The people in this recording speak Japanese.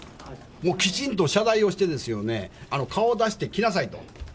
もうきちんと謝罪をして、顔を出して来なさいと。